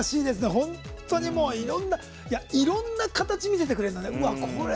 本当にいろんな形を見せてくれるのね。